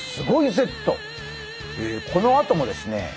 このあともですね